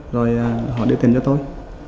rồi họ đưa tiền cho tôi